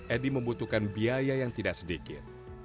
edi membutuhkan biaya yang tidak sedikit